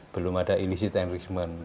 belum ada inisiatif enrichment